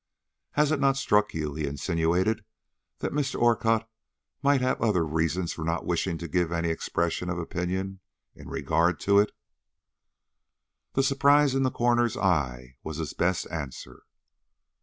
"Has it not struck you," he insinuated, "that Mr. Orcutt might have other reasons for not wishing to give any expression of opinion in regard to it?" The surprise in the coroner's eye was his best answer.